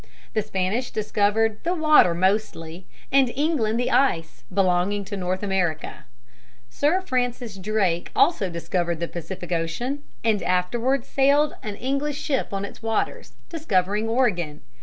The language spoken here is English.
The Spanish discovered the water mostly, and England the ice belonging to North America. Sir Francis Drake also discovered the Pacific Ocean, and afterward sailed an English ship on its waters, discovering Oregon.